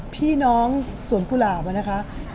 พี่น้องสวนกุหลาเสือบันไดนะคะ